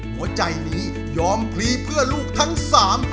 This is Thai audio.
หัวใจนี้ยอมพลีเพื่อลูกทั้งสาม